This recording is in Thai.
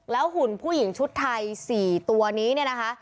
หุ่นผู้หญิงชุดไทย๔ตัวนี้เนี่ยนะคะ